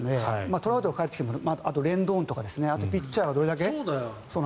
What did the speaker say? トラウトが帰ってきてもレンドンとかあとはピッチャーがどれだけ。